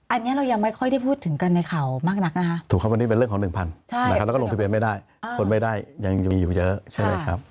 อันนี้เรายังไม่ค่อยได้พูดถึงกันในข่าวมากนักนะครับ